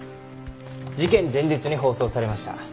事件前日に放送されました。